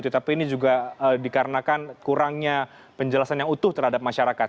tapi ini juga dikarenakan kurangnya penjelasan yang utuh terhadap masyarakat